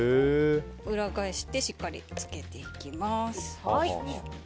裏返してしっかり漬けていきます。